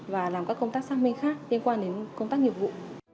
và làm các công tác xác minh khác liên quan đến công tác nghiệp vụ